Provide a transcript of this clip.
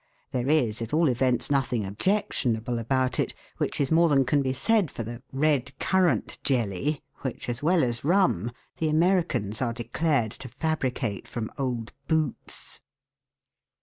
There is at all events nothing objection able about it, which, is more than can be said for the " red currant " jelly which as well as rum, the Americans are declared to fabricate from old boots